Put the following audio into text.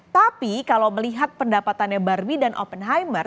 tapi kalau melihat pendapatannya barbie dan oppenheimer